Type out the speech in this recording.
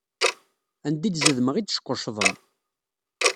Anda i d-zedmeɣ i d-tesquccḍem.